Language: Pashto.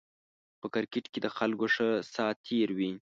په کرکېټ کې د خلکو ښه سات تېر وي